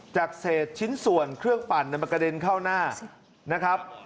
จากเศษชิ้นส่วนเครื่องปั่นมันกระเด็นเข้าหน้านะครับ